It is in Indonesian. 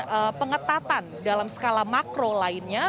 dan pengetatan dalam skala makro lainnya